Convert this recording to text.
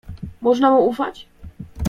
"Można mu ufać?"